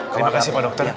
terima kasih pak dokter